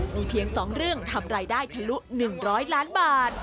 มีเพียง๒เรื่องทำรายได้ทะลุ๑๐๐ล้านบาท